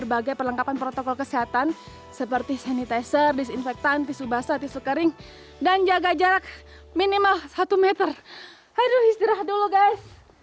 bagi siapapun yang sekarang beruntung untuk membuka kegelangan khas mientras